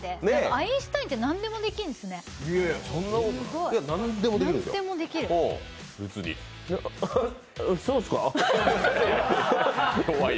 アインシュタインって何でもできるんですね、すごい。